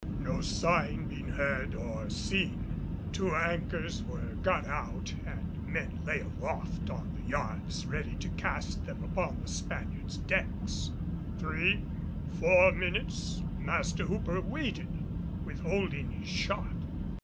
No sign being heard or seen, two anchors were got out and men lay aloft on the yards ready to cast them upon the Spaniard's decks. Three, four minutes, Master Hooper waited, withholding his shot.